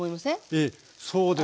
ええそうです。